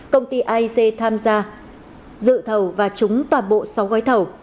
công ty aic tham gia dự thầu và trúng toàn bộ sáu gói thầu